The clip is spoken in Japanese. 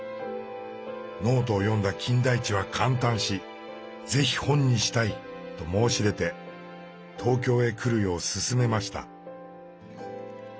ノートを読んだ金田一は感嘆し「是非本にしたい」と申し出て東京へ来るよう勧めました。